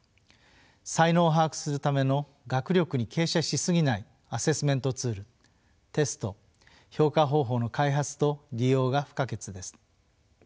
才能を把握するための学力に傾斜し過ぎないアセスメントツールテスト評価方法の開発と利用が不可欠です。